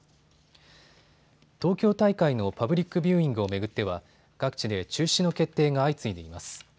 東京大会のパブリックビューイングを巡っては各地で中止の決定が相次いでいます。